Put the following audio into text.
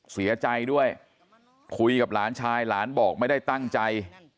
เสียใจด้วยคุยกับหลานชายหลานบอกไม่ได้ตั้งใจ